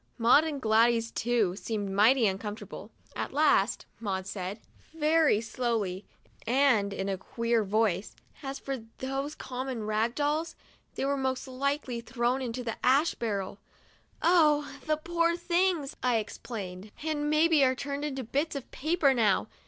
Maud, and Gladys too, seemed mighty uncomfortable. At last Maud said, 43 THE DIARY OF A BIRTHDAY DOLL very slowly, and in a queer voice: "As for those com mon rag dolls, they were most likely thrown into the ash barrel "—" Oh, the poor things !" I exclaimed —" and maybe are turned into bits of paper now.